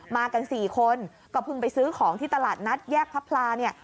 มากัน๔คนก็เพิ่งไปซื้อของที่ตลาดนัดแยกพระพลาเนี่ย